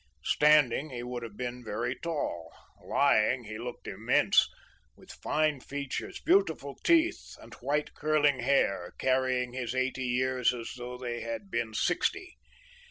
Standing, he would have been very tall; lying, he looked immense; with fine features, beautiful teeth, and white curling hair, carrying his eighty years as though they had been sixty.